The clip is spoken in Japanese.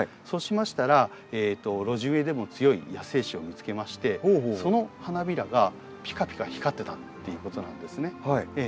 そうしましたら露地植えでも強い野生種を見つけましてその花びらがピカピカ光ってたっていうことなんですね。